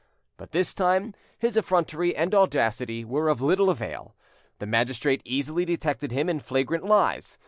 But this time his effrontery and audacity were of little avail, the magistrate easily detected him in flagrant lies.